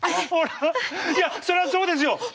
そりゃそうですよ！